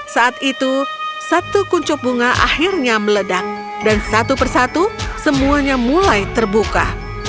saat itu satu kuncup bunga akhirnya meledak dan satu persatu semuanya mulai terbuka